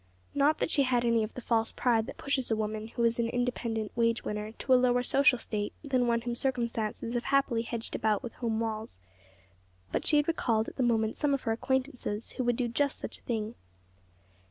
Not that she had any of the false pride that pushes a woman who is an independent wage winner to a lower social scale than one whom circumstances have happily hedged about with home walls; but she had recalled at that moment some of her acquaintances who would do just such a thing.